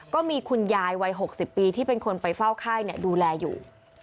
ก็มีคุณยายวัย๖๐ปีที่เป็นคนไปเฝ้าไข้ดูแลอยู่